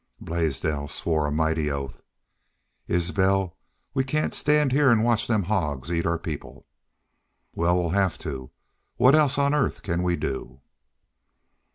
Blaisdell swore a mighty oath. "! Isbel, we cain't stand heah an' watch them hogs eat our people!" "Wal, we'll have to. What else on earth can we do?"